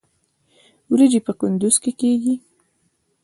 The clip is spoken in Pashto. وریجې په کندز کې کیږي